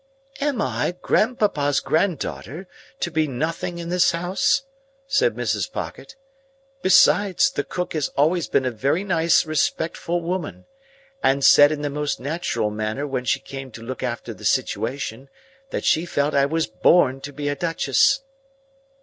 "Am I, grandpapa's granddaughter, to be nothing in the house?" said Mrs. Pocket. "Besides, the cook has always been a very nice respectful woman, and said in the most natural manner when she came to look after the situation, that she felt I was born to be a Duchess."